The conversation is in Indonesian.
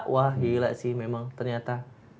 wah iya sih memang ternyata